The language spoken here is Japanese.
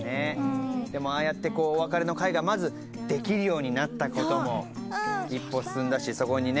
でもああやってお別れの会がまずできるようになったことも一歩進んだしそこにね